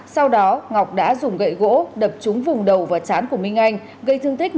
sau đó ngọc đã dùng gậy gỗ đập trúng vùng đầu và chán của minh anh gây thương tích một